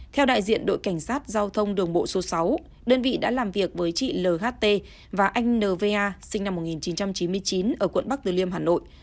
theo đại diện đội cảnh sát giao thông đường bộ số sáu đơn vị đã làm việc với chị l h t và anh n v a sinh năm một nghìn chín trăm chín mươi chín ở quận bắc từ liêm hà nội